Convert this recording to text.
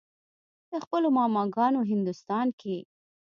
د خپلو ماما ګانو هندوستان کښې